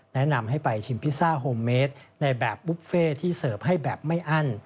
แนะนำให้ไปชิมพิซซ่าโฮมเมดในแบบบุฟเฟ่ที่เสิร์ฟให้แบบไม่อั้น